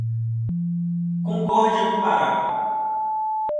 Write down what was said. Concórdia do Pará